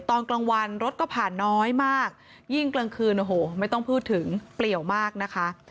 ตอนกลางวันรถก็ผ่านน้อยมากยิ่งกลางคืนโอ้โหไม่ต้องพูดถึงเปลี่ยวมากนะคะ